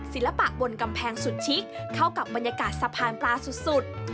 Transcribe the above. ศิลปะบนกำแพงสุดชิคเข้ากับบรรยากาศสะพานปลาสุด